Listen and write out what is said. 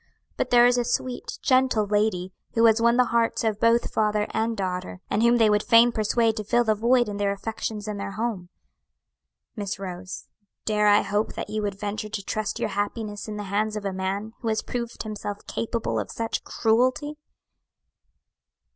but there is a sweet, gentle lady who has won the hearts of both father and daughter, and whom they would fain persuade to fill the void in their affections and their home. "Miss Rose, dare I hope that you would venture to trust your happiness in the hands of a man who has proved himself capable of such cruelty?"